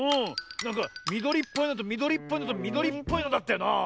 なんかみどりっぽいのとみどりっぽいのとみどりっぽいのだったよなあ。